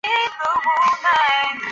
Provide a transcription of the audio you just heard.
单位一般采用铝窗。